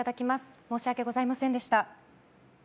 申し訳ございませんでした。